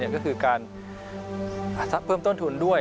ก็คือการเพิ่มต้นทุนด้วย